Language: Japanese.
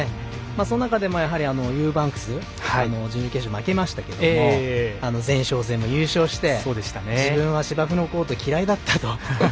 その中で、ユーバンクス準々決勝で負けましたが前哨戦も優勝して自分は芝生のコート嫌いだったと。